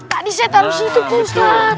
tadi saya taruh di situ pak ustaz